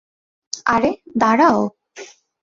আরে, দাঁড়াও!